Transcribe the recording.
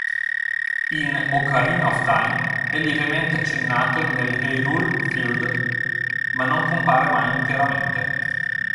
In "Ocarina of Time" è lievemente accennato nell'Hyrule Field, ma non compare mai interamente.